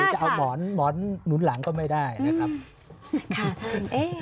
จะเอาหมอนหมอนหนุนหลังก็ไม่ได้นะครับ